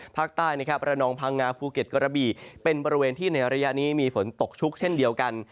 ภาคใต้นะครับระนองพังงาภูเก็ตกระบี่เป็นบริเวณที่ในระยะนี้มีฝนตกชุกเช่นเดียวกัน